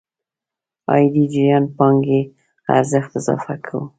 عايدي جريان پانګې ارزښت اضافه کوو.